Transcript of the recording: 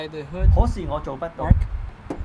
可是我做不到